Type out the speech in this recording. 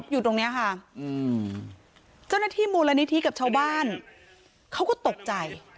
อยู่ตรงนี้ค่ะเจ้าหน้าที่มูลนิธิกับชาวบ้านเขาก็ตกใจ